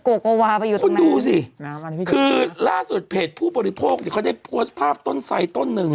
โกโกหวาไปอยู่ด้วยคือร่าสุดเพชรผู้บริโภคเขาได้พวนภาพต้นใสต้นหนึ่ง